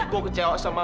gue kecewa sama lo san